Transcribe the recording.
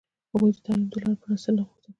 هغوی د تعلیم د لارې پرانستل نه غوښتل.